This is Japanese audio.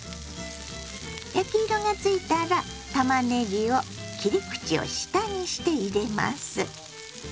焼き色がついたらたまねぎを切り口を下にして入れます。